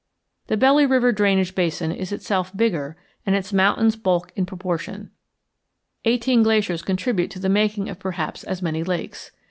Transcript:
The Belly River drainage basin is itself bigger, and its mountains bulk in proportion. Eighteen glaciers contribute to the making of perhaps as many lakes.